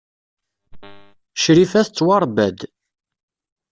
Crifa tettwaṛebba-d.